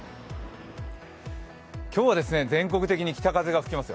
今日は全国的に北風が吹きますよ。